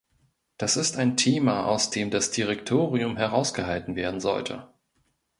Das ist ein Thema, aus dem das Direktorium herausgehalten werden sollte.